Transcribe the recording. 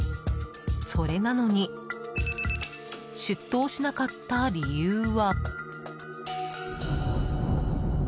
それなのに出頭しなかった理由は。